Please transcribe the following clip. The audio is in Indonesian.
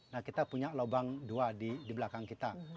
nah kita punya lubang dua di belakang kita